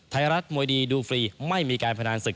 ไทยรัฐมวยดีดูฟรีไม่มีการพนันศึก